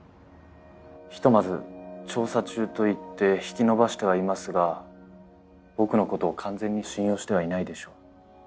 ひとまず調査中と言って引き延ばしてはいますが僕の事を完全に信用してはいないでしょう。